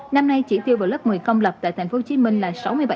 năm nay chỉ tiêu vào lớp một mươi công lập tại tp hcm là sáu mươi bảy hai trăm chín mươi